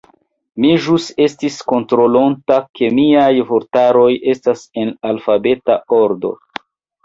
Mi ĵus estis kontrolonta ke miaj vortaroj estas en alfabeta ordo.